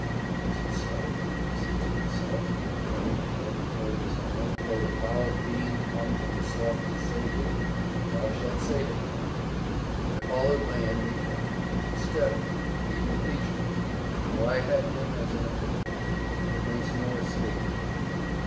"Is it so?" I said to myself, with brain and head cold as iron: "though the foul fiend come from the slough to save thee, thou shalt carve it, Carver." I followed my enemy carefully, steadily, even leisurely; for I had him as in a pitfall, whence no escape might be.